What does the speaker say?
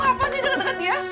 kenapa sih denger denger dia